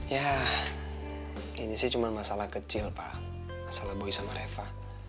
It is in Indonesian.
ya ini sih cuma masalah kecil pak masalah boy sama reva